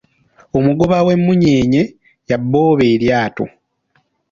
Omugoba w’emunyenye y’abooba eryato.